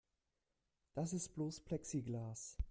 Das ist bloß Plexiglas.